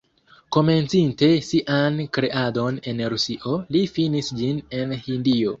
Komencinte sian kreadon en Rusio, li finis ĝin en Hindio.